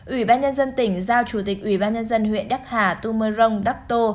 ủy ban nhân dân tỉnh giao chủ tịch ủy ban nhân dân huyện đắc hà tumorong đắk tô